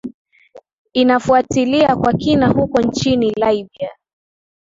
inafuatilia kwa kina huko nchini libya